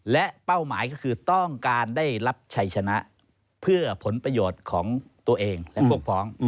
และเป้าหมายก็คือต้องการได้รับชัยชนะเพื่อผลประโยชน์ของตัวเองและพวกพ้อง